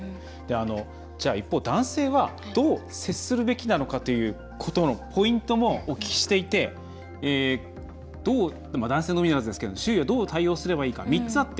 じゃあ一方、男性はどう接するべきなのかということのポイントもお聞きしていて男性のみならずですけど周囲はどう対応すればいいか３つあって。